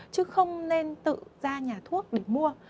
chứ không nên tự ra nhà thuốc để mua